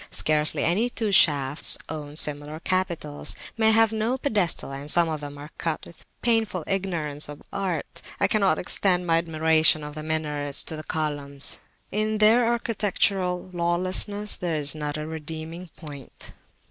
Scarcely any two shafts own similar capitals; many have no pedestal, and some of them are cut with a painful ignorance of art. I cannot extend my admiration of the minarets to the columns in their "architectural lawlessness" there is not a redeeming point.